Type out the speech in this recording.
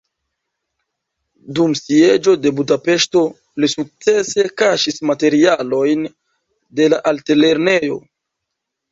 Dum sieĝo de Budapeŝto li sukcese kaŝis materialojn de la altlernejo.